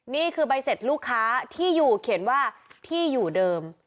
นี่คือใบเสร็จลูกค้าที่อยู่เขียนว่าที่อยู่เดิม